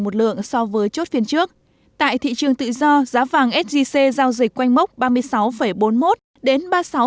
một lượng so với chốt phiên trước tại thị trường tự do giá vàng sgc giao dịch quay mốc ba mươi sáu bốn mươi một đến